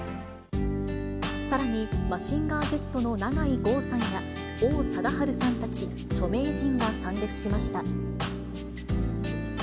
さらにマジンガーＺの永井豪さんや、王貞治さんたち、著名人が参列しました。